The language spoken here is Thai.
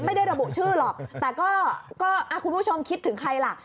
ไม่ได้ระบุชื่อหรอกแต่ก็คุณผู้ชมคิดถึงใครล่ะ